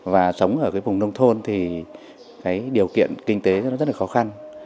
và sống ở vùng nông thôn thì điều kiện kinh tế rất khó khăn